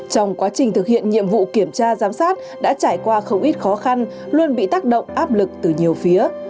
trong quá trình thực hiện nhiệm vụ kiểm tra giám sát đã trải qua không ít khó khăn luôn bị tác động áp lực từ nhiều phía